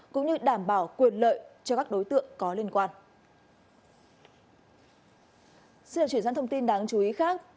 cũng như đảm bảo quyền lợi cho các đối tượng có liên quan